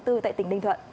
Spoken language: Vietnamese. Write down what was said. tại tỉnh ninh thuận